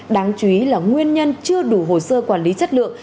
đáng chú ý là nguyên nhân chưa đủ hồ sơ quản lý chất lượng